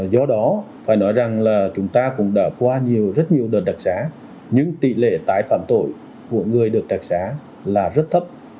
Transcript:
do đó phải nói rằng là chúng ta cũng đã qua nhiều rất nhiều đợt đặc xá nhưng tỷ lệ tái phạm tội của người được đặc xá là rất thấp